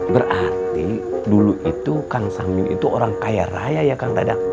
berarti dulu itu kang samil itu orang kaya raya ya kang